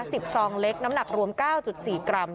๑๐ซองเล็กน้ำหนักรวม๙๔กรัม